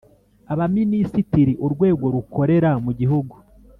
Abaminisitiri Urwego rukorera mu gihugu